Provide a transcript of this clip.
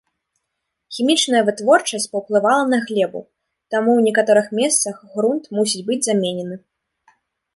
Хімічная вытворчасць паўплывала на глебу, таму ў некаторых месцах грунт мусіць быць заменены.